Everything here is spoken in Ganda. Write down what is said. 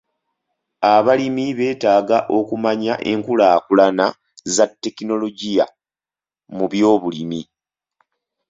Abalimi beetaaga okumanya enkulaakulana za tekinologiya mu by'obulimi.